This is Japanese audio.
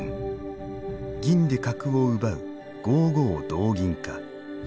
銀で角を奪う「５五同銀」か。